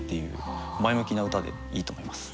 前向きな歌でいいと思います。